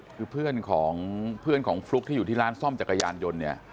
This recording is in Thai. คือเพื่อนของเพื่อนของฟลุ๊กที่อยู่ที่ร้านซ่อมจักรยานยนต์เนี่ย